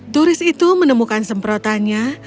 turis itu menemukan semprotannya